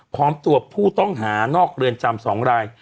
พร้อมตัวผู้ต้องหานอกเรือนจำ๒ราย